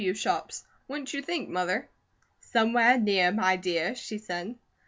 W. shops, wouldn't you think, Mother?" "Somewhere near, my dear," she said.